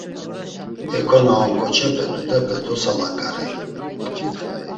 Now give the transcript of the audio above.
Heko na onan ǩoçepe dudepe dosalangarey.